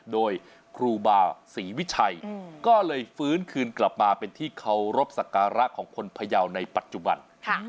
โดยครูบาศรีวิชัยก็เลยฟื้นคืนกลับมาเป็นที่เคารพสักการะของคนพยาวในปัจจุบัน